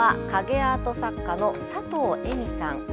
アート作家の佐藤江未さん。